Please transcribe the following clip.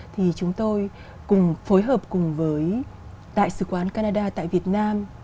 thì chúng tôi cùng phối hợp cùng với đại sứ quán canada tại việt nam